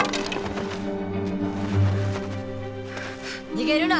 逃げるな！